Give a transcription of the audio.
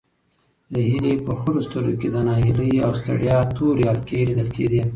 د هیلې په خړو سترګو کې د ناهیلۍ او ستړیا تورې حلقې لیدل کېدې.